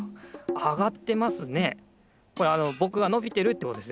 これあのぼくがのびてるってことですよ。